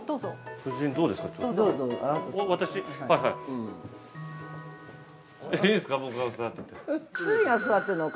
◆夫人、どうですか。